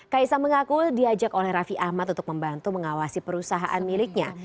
kaisang mengaku diajak oleh raffi ahmad untuk membantu mengawasi perusahaan miliknya